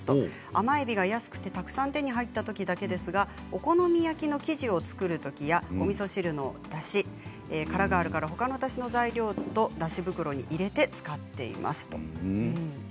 甘えびが安くてたくさん手に入ったときだけですがお好み焼きの生地を作るときやおみそ汁のだし殻があるからほかのだしの材料とだし袋に入れて使っています。